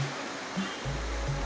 ifgame nih penumpang